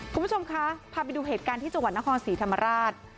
คุณผู้ชมคะพาไปดูเหตุการณ์ที่จังหวัดนครศรีธรรมราช